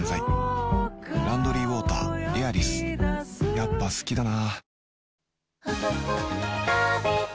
やっぱ好きだな